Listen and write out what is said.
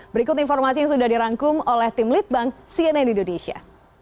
berikut informasi yang sudah dirangkum oleh tim litbang cnn indonesia